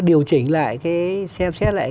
điều chỉnh lại cái xem xét lại